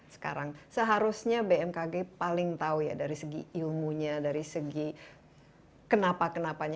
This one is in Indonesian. sekarang seharusnya bmkg paling tahu ya dari segi ilmunya dari segi kenapa kenapanya